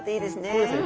そうですね。